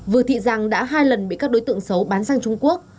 vừa thị giang đã hai lần bị các đối tượng xấu bán sang trung quốc